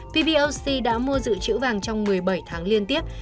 vboc đã mua dự trữ vàng trong một mươi bảy tháng liên tiếp